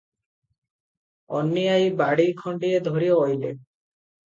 ଅନୀ ଆଈ ବାଡ଼ି ଖଣ୍ଡିଏ ଧରି ଅଇଲେ ।